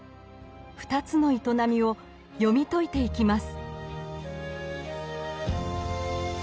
２つの営みを読み解いていきます。